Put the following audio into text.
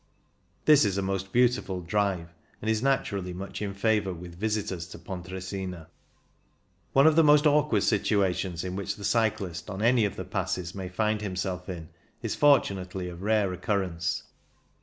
This is a most beautiful drive, and is naturally much in favour with visitors to Pontresina. One of the most awkward situations in which the cyclist on any of the passes may 202 CYCLING IN THE ALPS find himself is fortunately of rare occurrence.